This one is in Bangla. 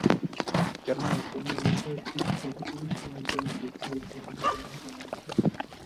কেননা, কোন বিষয়ে ঠিক কতটুকু সময় দেয়া উচিত, সেই উত্তর শুধু তোমারই জানা উচিত।